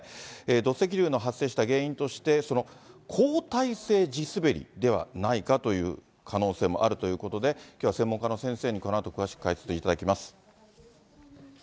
土石流の発生した原因として、後退性地滑りではないかという可能性もあるということで、きょうは専門家の先生に、このあと詳しく解説いただきます。